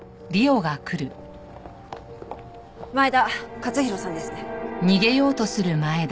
前田勝弘さんですね？